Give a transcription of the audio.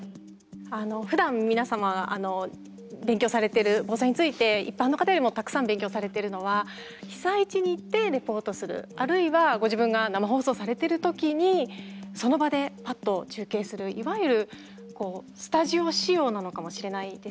ふだん皆様勉強されてる防災について一般の方よりもたくさん勉強されてるのは被災地に行ってリポートするあるいはご自分が生放送されてる時にその場でパッと中継するいわゆるこうスタジオ仕様なのかもしれないですよね。